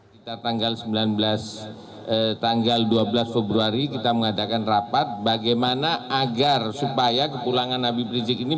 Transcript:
kita tanggal dua belas februari kita mengadakan rapat bagaimana agar supaya kepulangan nabi prinsip ini